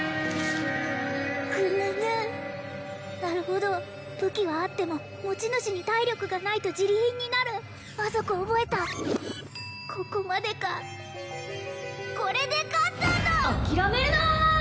ぐぬぬなるほど武器はあっても持ち主に体力がないとジリ貧になる魔族覚えたここまでかこれで勝ったと諦めるなー！